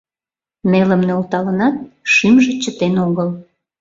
Нелым нӧлталынат, шӱмжӧ чытен огыл.